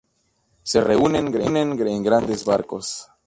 Se reúnen en grandes bancos.